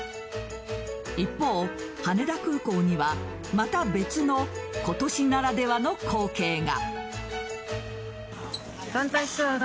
一方、羽田空港にはまた別の今年ならではの光景が。